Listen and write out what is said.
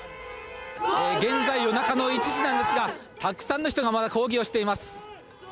現在夜中の１時なんですがたくさんの人がまだ抗議をしています。